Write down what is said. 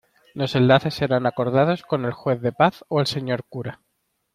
Los enlaces serán acordados con el juez de paz o el señor cura.